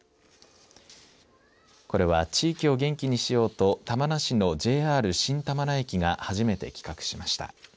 これは地域を元気にしようと玉名市のＪＲ新玉名駅が初めて企画しました。